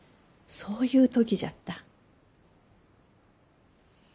そういう時じゃった。